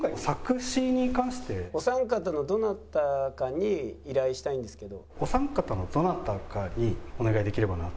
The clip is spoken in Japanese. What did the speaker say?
「お三方のどなたかに依頼したいんですけど」。